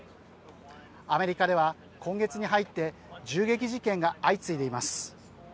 アメリカでは今月に入って銃撃事件が相次いでいます。